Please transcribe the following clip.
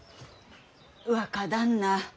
若旦那